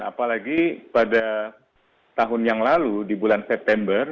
apalagi pada tahun yang lalu di bulan september